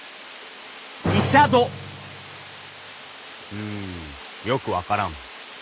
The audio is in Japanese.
うんよく分からん。